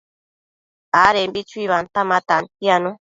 adembi chuibanta ma tantianu